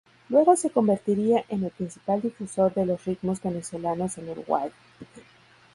Luego se convertiría en el principal difusor de los ritmos venezolanos en Uruguay.